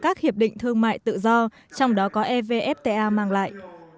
các hiệp định thương mại tự do trong đó có evfta mang lại